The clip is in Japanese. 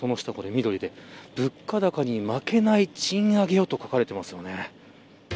物価高に負けない賃上げをと書かれていますね。